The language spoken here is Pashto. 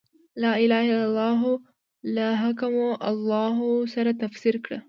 «لا اله الا الله» له «لا حاکم الا الله» سره تفسیر کړه.